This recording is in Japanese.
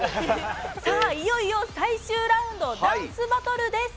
いよいよ最終ラウンドダンスバトルです。